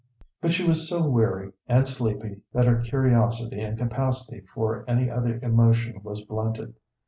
But she was so weary and sleepy that her curiosity and capacity for any other emotion was blunted.